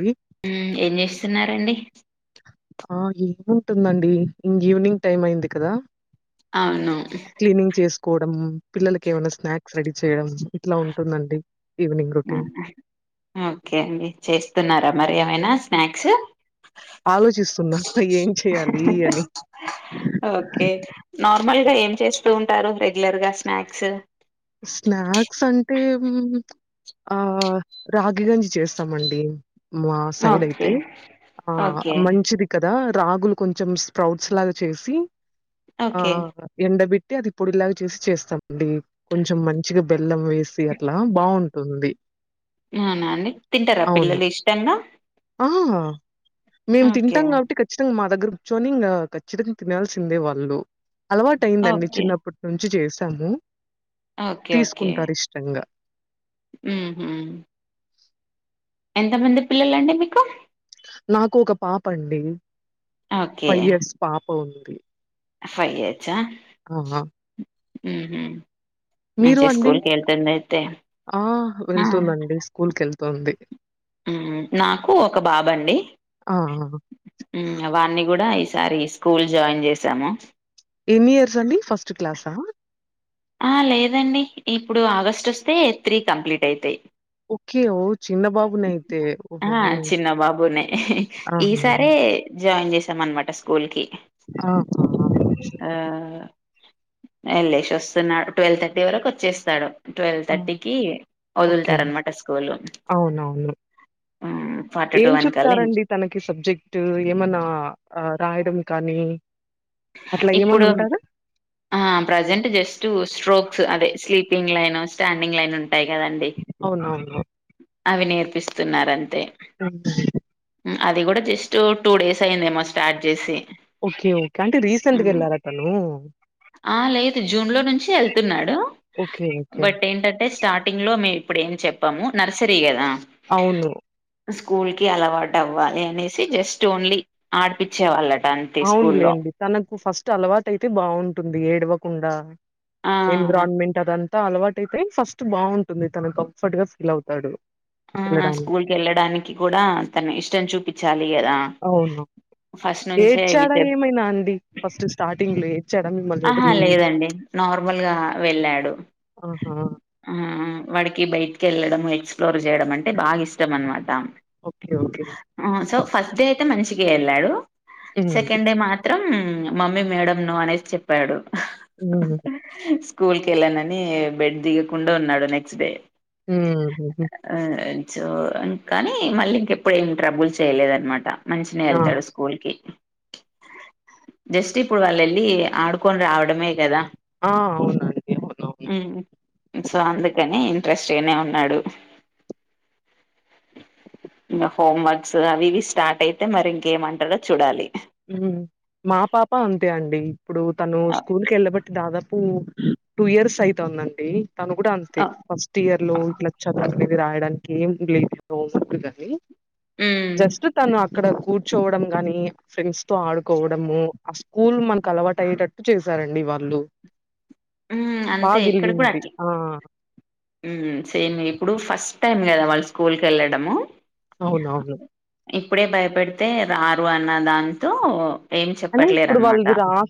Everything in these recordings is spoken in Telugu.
హు. మ్ ఏం చేస్తున్నారండి. ఆ ఏముంటుందండి ఇంగ ఈవినింగ్ టైమ్ అయింది కదా. అవును. క్లీనింగ్ చేసుకోవడం పిల్లలకి ఏమైనా స్నాక్స్ రెడీ చేయడం ఇట్లా ఉంటుందండి. Evening routine. ఓకే అండి చేస్తున్నారా మరి ఏమైనా స్నాక్స్. ఆలోచిస్తున్నా ఏం చేయాలి అని. ఓకే నార్మల్ గా ఏం చేస్తూ ఉంటారు. రెగ్యులర్ గా స్నాక్స్. స్నాక్స్ అంటే ఆ రాగిగంజి చేస్తామండి. మా సైడ్ ఓకే అయితే ఆ ఓకే మంచిది. కదా రాగులు కొంచెం స్ప్రౌట్స్ లాగా చేసి ఆ ఓకే ఎండబెట్టి అది పొడిలాగా చేసి చేస్తామండి కొంచెం మంచిగా బెల్లం వేసి. అట్లా బాగుంటుంది అవునా అండి తింటారా అవును. పిల్లలు ఇష్టంగా మ్ హూ మేము ఓకే తింటాం కాబట్టి ఇక్కడ ఖచ్చితంగా మా దగ్గర కూర్చొని ఇంకా ఖచ్చితంగా తినాల్సిందే వాళ్ళు అలవాటు అయిందండి ఓకే చిన్నప్పుడు నుంచి చేసాము ఓకే తీసుకుంటారు ఇష్టంగా. మ్ హూ. ఎంతమంది పిల్లలండి మీకు? నాకు ఒక పాప అండి ఓకే ఫైవ్ ఇయర్స్ పాప ఉంది. ఫైవ్ ఇయర్స్ ఆ ఆహా హ్మ్ హు మీరు మంచిగా అండి? స్కూల్ కి వెళ్తుంది అయితే ఆ! ఆ వెళ్తుందండి. స్కూల్‌కెళ్తుంది. హ్మ్ నాకు ఒక బాబు అండి ఆ! ఆ! హ్మ్ వాణ్ణి కూడా ఈసారి స్కూల్ జాయిన్ చేసాము ఎన్ని ఇయర్స్ అండి ఫస్ట్ క్లాసా ఆ లేదండి ఇప్పుడు ఆగస్టు వస్తే త్రీ కంప్లీట్ అయితాయి ఓకే ఓ చిన్న బాబు ఆ చిన్న బాబునే ఆహా! ఈసారే జాయిన్ చేసాం అనమాట స్కూల్ కి ఆహా! ఆ వెల్లేసి వస్తున్నాడు ట్వెల్వ్ థర్టీ వరకు వచ్చేస్తాడు ట్వెల్వ్ ఆ! థర్టీకి ఓకే. వదులుతారు అనమాట స్కూలు అవునవును టూ ఏం వన్ కల్లా చెప్తారండి తనకి సబ్జెక్ట్ ఏమన్నా రాయడం కానీ అట్లా ఏమన్నా ఇప్పుడు ఉంటదా ఆ ప్రజెంట్ జస్ట్ స్ట్రోక్స్ అదే స్లీపింగ్ లైన్ స్టాండింగ్ లైన్ ఉంటాయి కదాండి అవునవును అవి నేర్పిస్తున్నారు అంతే అవునండి అది కూడా జస్ట్ టూ డేస్ అయిందేమో స్టార్ట్ చేసి ఓకే ఓకే అంటే రీసెంట్ గా వెళ్ళారా తను ఆ లేదు జూన్ లో నుంచి వెళ్తున్నాడు ఓకే ఓకే బట్ ఏంటంటే స్టార్టింగ్ లో మేము ఇప్పుడు ఏం చెప్పము నర్సరీ కదా అవును స్కూల్ కి అలవాటు అవ్వాలి అనేసి జస్ట్ ఓన్లీ ఆడిపిచ్చే వాళ్ళట అని అవునులేండి తనకు ఫస్ట్ అలవాటు అయితే బాగుంటుంది ఏడవకుండా ఆ! ఎన్విరాన్మెంట్ అదంతా అలవాటు అయితే ఫస్ట్ బాగుంటుంది తన కంఫర్ట్ గా ఫీల్ అవుతాడు ఆ వెళ్ళడానికి స్కూల్ కి వెళ్ళడానికి కూడా తన ఇష్టం చూపించాలి కదా అవును ఏడ్చాడా చెప్ ఏమైనా అండి ఫస్ట్ స్టార్టింగ్ లో ఏడ్చాడ మిమ్మల్ని ఆహా వదిలి లేదండి నార్మల్గా వెళ్ళాడు ఆహా ఆ వాడికి బయటికి వెళ్ళడం ఎక్స్ ఎక్స్ ప్లోర్ చేయడం అంటే బాగా ఇష్టం అనమాట ఓకే ఓకే ఆ సో ఫస్ట్ డే అయితే మంచిగా వెళ్ళాడు హ్మ్ సెకండ్ డే మాత్రం మాత్రం మమ్మీ మేడం ను అనేసి చెప్పాడు ఉమ్ స్కూల్ కి వెళ్ళనని బెడ్ దిగకుండా ఉన్నాడు నెక్స్ట్ డే హ్మ్ ఆ సో కాని మళ్ళీ ఇంకెప్పుడు ఏమి ట్రబుల్ చేయలేదనమాట మంచిగా ఆ వెళ్తాడు స్కూల్ కి జస్ట్ ఇప్పుడు వాళ్ళు వెళ్ళి ఆడుకొని రావడమే కదా ఆ అవునండి అవునవును హ్మ్ సో అందుకనే ఇంట్రెస్ట్ గానే ఉన్నాడు ఇంకా హోమ్ వర్క్స్ అవి ఇవి స్టార్ట్ అయితే మరి ఇంకేమంటాడో చూడాలి మా పాప అంతే అండి ఇప్పుడు తను అ స్కూల్ కి వెళ్ళబట్టి దాదాపు టూ ఇయర్స్ అయితుందండి తను కూడా అంతే అ ఫస్ట్ ఇయర్ లో ఆ! ఇట్లా చాదుకునేది రాయడాని కీ ఏం లేదు కాగాని హ్మ్. జస్ట్ తను క్కడ కూర్చోవడం గాని ఫ్రెండ్స్ తో ఆడుకోవడము ఆ స్కూల్ మనకు అలవాటు అయ్యేటట్టు చేశారండి వాళ్ళు హ్మ్. బా అంతే గేళ్ళింది ఆ ఉహ్ సేమ్ ఇప్పుడు ఫస్ట్ టైమ్ కదా వాళ్ళు స్కూల్ కేళ్ళడము అవునవును ఇప్పుడే భయపడితే రారు అన్న దాంతో ఏం చెప్పట్లేరనమాట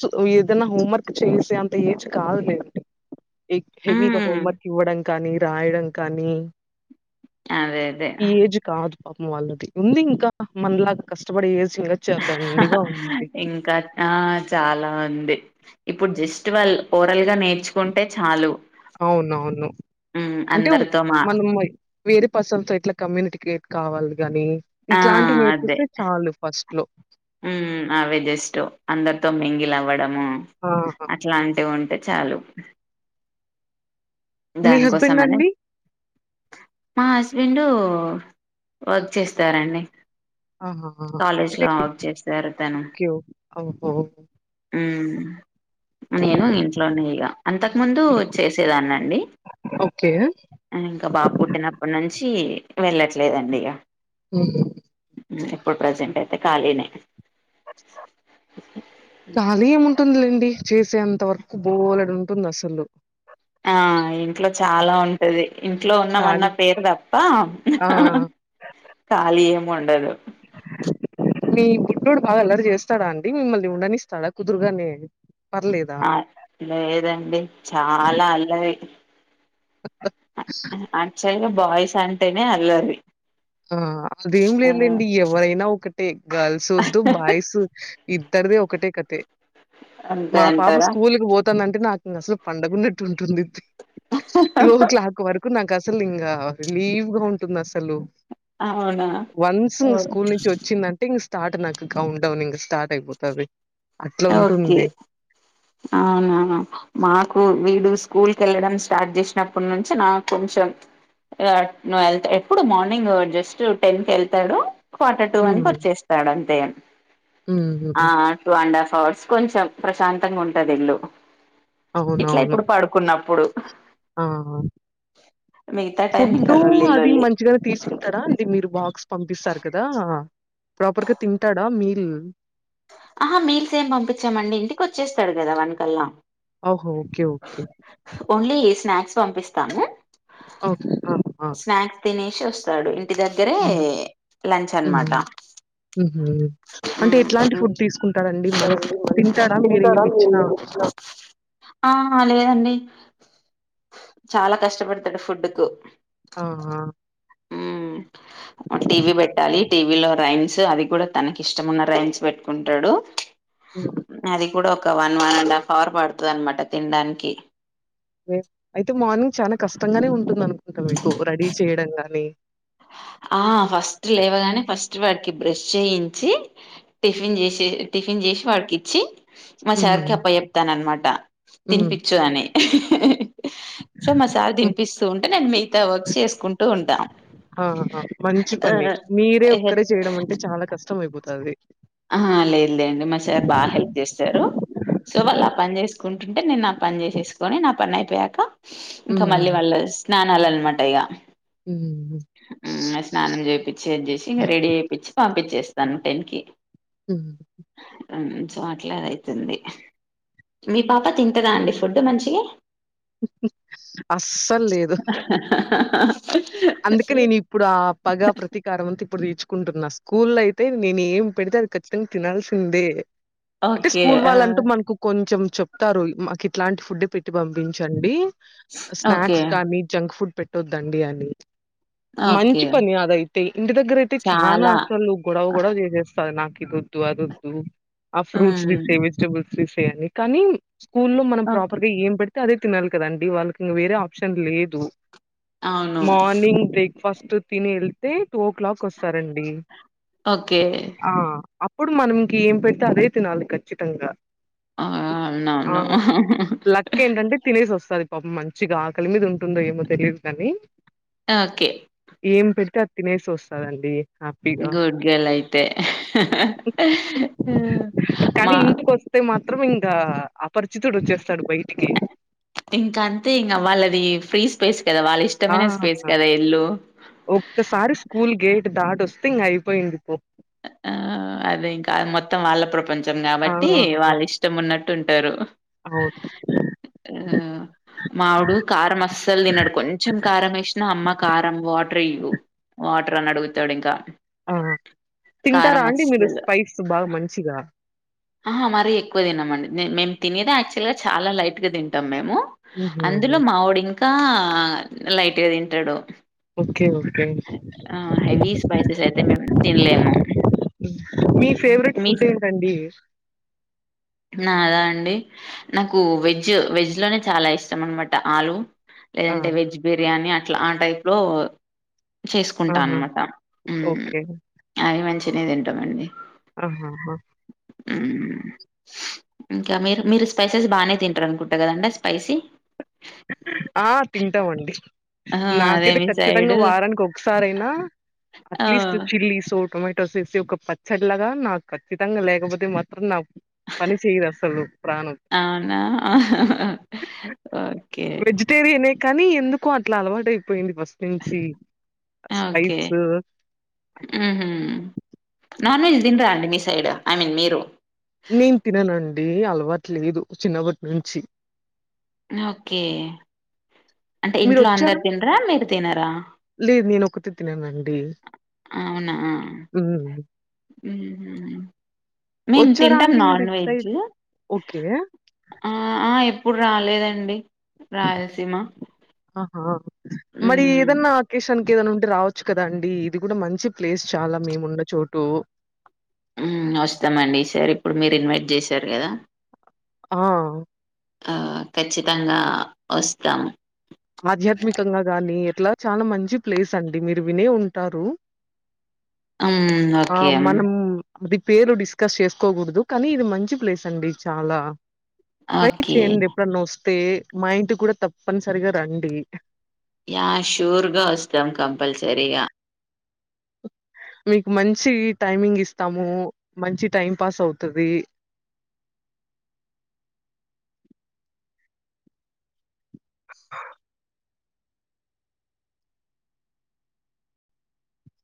సో ఏదైనా హోంవర్క్ చేసే అంత ఏజ్ కాదు లేండి హెవిగా హ్మ్ హోమ్ వర్క్ ఇవ్వడం కానీ రాయడంకానీ అదే అదే కాదు పాపం వాళ్ళది ఉంది ఇంకా మనలాగా కష్టపడి ఏసింగా హా హా ఇంకా ఆ చాలా ఉంది ఇప్పుడు జస్ట్ వాల్ ఓరల్గ నేర్చుకుంటే చాలు అవునవును హ్మ్ అంటే అందరితో మా మనం వేరే పర్సన్ తో ఇట్లా కమ్యూనికేట్ కావాలి గాని ఆ ఇట్లాంటివి నేర్పిస్తే చాలు ఫస్ట్ లో ఉ అవే జస్ట్ అందరితో మింగిలవ్వడము ఆహా అట్లాంటివి ఉంటే చాలు మీ దానికోసం హస్బెండ్ అనే అండి? మా హస్బెండు వర్క్ చేస్తారండి ఆహా! అంటే కాాలేజ్లా వర్క్ చేస్తారు తాను ఓకే. ఓహో! ఉహ్ నేను ఇంట్లోనే ఇగ అంతకు ముందు చేసేదాన్ని ఓకే ఉ నేను ఇంక బాబు పుట్టినప్పటి నుంచి వెళ్ళట్లేదండి ఇగ ఉహు ఇప్పుడు ప్రజెంట్ అయితే ఖాళీనే కాళీ ఏముంటుందిలెండి చేసేంత వరకు బోలడు ఉంటుంది అసలు ఆ ఇంట్లో చాలా ఉంటది ఇంట్లో ఉన్నావన్న ఖాళీ పేరు తప్ప ఆ! కాలి ఎముండదు మీ బుడ్డోడు బాగా అల్లరు చేస్తాడా అండి మిమ్మల్ని ఉండనిస్తాడా కుదురుగానే పర్లేదా? ఆ లేదండి చాలా అల్లరీ అ అచ్చల్గా బాయ్స్ అంటేనే అల్లరి ఆ అదేం ఆ లేదండి ఎవరైనా ఒకటే గర్ల్స్ వద్దు బాయ్స్ ఇద్దరిదే ఒకటే కథే అంతే మా పాప అంటారా స్కూల్కి వోత్ దంటే నాకు అసలు పండగున్నట్టు ఉంటుంది టు ఓ క్లాక్ ఒక వరకు నాకు అసలు ఇంగా రిలీవ్ గా ఉంటుంది అసలు అవునా వన్స్ ఓహ్! స్కూల్ నుంచి వచ్చిందంటే ఇంగ స్టార్ట్ నాకు కౌంట్ డౌన్ ఇంగ స్టార్ట్ అయిపోతది ఓకే అట్లుంటుంది అవునా మాకు వీడు స్కూల్కేళ్ళడం స్టార్ట్ చేసినప్పటి నుంచి నాకు కొంచెం ఎ ను వెళ్తే ఎప్పుడు మార్నింగ్ జస్ట్ టెన్కేళ్తాడు క్వార్టర్ టూ అని హ్మ్. కొచ్చేస్తాడు అంతే హ్మ్. ఆ హ్మ్. టూ అండ్ హాఫ్ అవర్స్ కొంచెం ప్రశాంతంగా ఉంటుంది ఇల్లు ఇట్లా ఇప్పుడు పడు కున్నప్పుడు ఆహా మిగతా టైం ఇంకా ఫుడ్డు లొల్లి అది లొల్లి మంచిగనే తీసుకుంటడా అండి మీరు బాక్స్ పంపిస్తారు కదా ప్రాపర్గా తింటాడా మీల్ ఆహా మీల్స్ ఏం పంపించామండి ఇంటికి ఓచ్చేస్తాడు కదా వన్ కల్లా ఓహో ఓకే ఓకే ఓన్లీ స్నాక్స్ పంపిస్తాను ఓకే ఆ స్నాక్స్ తినేసి ఓస్తాడు ఇంటి దగ్గరే హ్మ్. లంచ్ అనమాట ఉ హు అంటే ఎట్లాంటి ఫుడ్ తీసుకుంటాడండిమ తింటాడా మీరు ఏమి ఇచ్చినా ఆ హా లేదండి చాలా కష్టపడతడు ఫుడ్ కు ఆ ఆ మ్మ్ టీవీ పెట్టాలి టీవీలో రైన్స్ అవి కుడతనకి ఇష్టమున్న రైన్స్ పెట్టుకుంటాడు ఉ అది కూడా ఒక one one and half hour పడుతుంది అనమాట తినడానికి అయితే మార్నింగ్ చాలా కష్టంగానే ఉంటుంది అనుకుంటా మీకు రెడీ చేయడం గాని ఆ ఫస్ట్ లేవగానే ఫస్ట్ వాడికి బ్రష్ చేయించి టిఫిన్ చేసే టిఫిన్ చేసి వాడికి ఇచ్చి మా హ్మ్. సార్ కి అప్ప జెప్తాన అనమాట హ్మ్. తినిపచ్చ అనే సో మా సార్ హ్మ్. తినిపిస్తూ ఉంటే నేను మిగతా వర్క్ చేసుకుంటూ ఉంట ఆ హ మంచి పని మీరే ఒక్కరే ఆ చేయడం అంటే చాలా కష్టం అయిపోతంది హా లేదు లేండి మా సార్ బాగా హెల్ప్ చేసారు సో వాళ్ళు ఆ పని చేసుకుంటుంటే నేను నా పని చేసేసుకొని నా పని అయిపోయాక ఇంక మళ్ళీ హ్మ్. వాళ్ళు స్నానాలు అన్నమాట ఇగ ఉ ఉ స్నానం జేపీజేసి చేసి ఇంక రెడీ జెపిచి పంపించేస్తాను టెన్ కి ఉ ఆ సో అట్లాదైతుంది మీ పాప తింతదా అండి ఫుడ్ మంచిగా అస్సలు లేదు ఇప్పుడు ఆ పగ ప్రతీకారం అంతా ఇప్పుడు తీర్చుకుంటున్నా స్కూల్లో అయితే నేను ఏం పెడితే అది ఖచ్చితంగా తినాల్సిందే అంటే ఓకే స్కూల్ ఆ వాళ్ళంటూ మనకు కొంచెం చెప్తారు మాకు ఇట్లాంటి ఫుడ్ పెట్టి పంపించండి ఓకే స్నాక్స్ కానీ జంక్ ఫుడ్ పెట్టద్దండి అని ఓకే మంచి పని అదైతే ఇంటి దగ్గర అయితే చాలా అసలు గొడవ గొవ చేసేస్త నాకు ఇది వద్దు అది వద్దు ఆ ఫ్రూట్స్ మ్ తీసేయి వెజిటబుల్స్ తీసేయంని కానీ స్కూల్లో మనం ఓకే ప్రాపర్ గా ఏం పడితే అదే తినాలి కదండి వాళ్ళకి ఇంక వేరే ఆప్షన్ లేదు అవును మార్నింగ్ బ్రేక్ఫాస్ట్ తిని వెళ్తే టూ ఓ క్లాక్ వస్తారండి ఓకే ఆ అప్పుడు మనంకి ఏం పెడితే అదే తినాలి ఖచ్చితంగా ఆ అవును ఆ! అవును లక్ ఏంటంటే తినేసి వస్తది పాపం మంచిగా ఆకలి మీద ఉంటుందో ఏమో తెలీయదు గాని ఆ ఓకే ఏం పెడితే అది తినేసి వస్తదండి హ్యాపీగా గుడ్ గర్ల్ అయితే అ మా అయితే మాత్రం ఇంకా అపరిచితుడు వచ్చేస్తాడు బయటికి ఇంక అంతే ఇంగ వాళ్ళది ఫ్రీ స్పేస్ కదా వాళ్ళ ఇష్ ఆ ఒక్కసారి స్కూల్ గేట్ దాటోస్తే ఇంగ అయిపోయింది పో ఆ అదే ఇంకా మొత్తం వాళ్ళ ప్రపంచ ష్టం ఆ కాబట్టి వాళ్ళు ఇష్టం ఉన్నట్టు ఉంటారు అవును ఆ మావోడు కారం అస్సలు తినడు కొంచెం కారం వేసినా అమ్మ కారం వాటర్ ఇయ్వ్వు వాటర్ అని అడుగుతాడు ఇంకా ఆ తింటారా అండి మీరు స్పైస్ బామంచిగా ఆ మరీ ఎక్కువ తినమండి మే మేమ్ తినేదా యాక్చువల్ గా చాలా లైట్గా తింటాం మేము ఉహు అందులో మావోడు ఇంకా లైట్గా తింటడు ఓకే ఓకే ఆ హెవీ స్పైసెస్ అయితే మేము తినలేము మీ ఫేవరెట్ మీ ఫుడ్ సై ఏంటండి నాదా అండి నాకు వెజ్ వెజ్ లోనే చాలా ఇష్టం అనమాట ఆలు ఆ లేదంటే వెజ్ బిర్యానీ అట్లా ఆ టైప్ లో చేసుకుంటా ఆహా అనమాట ఓకే అవి మంచినే తింటామండి ఆహాహా హ్మ్ ఇంక మీరు మీరు స్పైసెస్ బానే తింటారు అనుకుంట కదండి స్పైసీ ఆ తింటామండి ఆ! అదే నాకైతే మీ ఖచ్చితంగా సైడు వారానికి ఒకసారి అయినా ఆ! అట్లీస్ట్ చిల్లీ సో టోమ టోసేసి ఒక పచ్చడిలాగా నాకు ఖచ్చితంగా లేకపోతే మాత్రం నా పని చేయదు అసలు ప్రాణం అవునా ఓకే వెజిటేరియనే కానీ ఎందుకో అట్లా అలవాటైపోయింది ఫస్ చిన్సీ స్పైస్ హ్మ్ హు నాన్ వెజ్ తింరా అండి మీ సైడ్ ఐ మీన్ మీరు నేను తిననండి అలవాటు లేదు చిన్నప్పటి నుంచి ఓకే అంటే మీరు ఇంట్లో వచ్చారా అందరు తినరా మీరు తినరా లేదు నేను ఒకతే తిననండి అవునా మ్మ్. హ్మ్ మేమ్ వచ్చారా తింటాం అండి మీరు నాన్ ఇటు వెజ్ సైడ్ ఓకే ఆ ఆ ఎప్పుడు రాలేదండి రాయలసీమ ఆహా మడి హ్మ్. ఏదన్నా ఆకేషాన్ కే ఏదైనా ఉంటే రావచ్చు కదా అండి ఇది కూడా మంచి ప్లేస్ చాలా మేము ఉన్న చోటు హ్మ్ వస్తామండి ఈ సారి ఇప్పుడు మీరు ఇన్వైట్ చేశారు కదా ఆ ఆ ఖచ్చితంగా వస్తాం ఆధ్యాత్మికంగా గాని ఎట్లా చాలా మంచి ప్లేస్ అండి మీరు వినే ఉంటారు హ్మ్. ఆ ఓకే. మనం ఇది పేరు డిస్కస్ చేసుకోకూడదు కానీ ఇది మంచి ప్లేస్ అండి చాలా ట్రై ఓకే. చేయండి ఎప్పుడన్న వస్తే మా ఇంటి కూడా తప్పనిసరిగా రండి యా షూర్ గా వస్తాం కంపల్సరీగా మీకు మంచి టైమింగ్ ఇస్తాము మంచి టైం పాస్ అవుతది